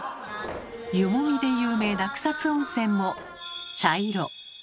湯もみで有名な草津温泉も茶色。